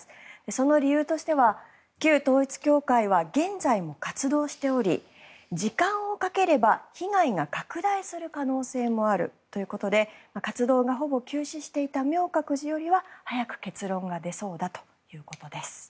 その理由としては旧統一教会は現在も活動しており時間をかければ被害が拡大する可能性もあるということで活動がほぼ休止していた明覚寺よりは早く結論が出そうだということです。